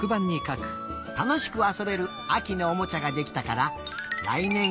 たのしくあそべるあきのおもちゃができたかららいねん